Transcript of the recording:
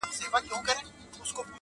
عرب وویل له مخه مي سه لیري.!